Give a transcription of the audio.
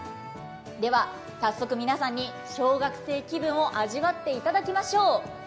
では早速皆さんに小学生気分を味わってもらいましょう。